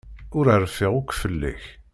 Ur rfiɣ akk fell-ak.